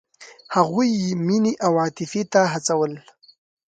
هغوی یې مینې او عاطفې ته هڅول.